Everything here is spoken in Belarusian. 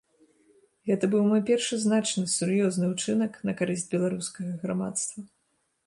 Гэта быў мой першы значны сур'ёзны ўчынак на карысць беларускага грамадства.